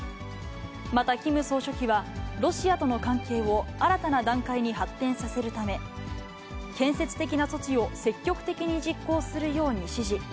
またキム総書記は、ロシアとの関係を新たな段階に発展させるため、建設的な措置を積極的に実行するように指示。